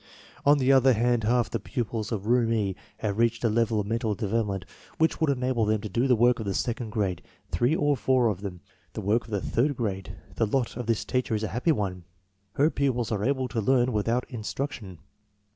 On the other hand, half the pupils of room E have reached a level of mental development which would enable them to do the work of the second grad,e; three or four of them, the work of the third grade. The lot of this teacher is a happy one. Her pupils are able to learn without instruction.